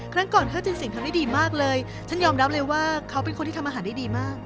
ครั้งก่อนถ้าจินสิงทำได้ดีมากเลยฉันยอมรับเลยว่าเขาเป็นคนที่ทำอาหารได้ดีมาก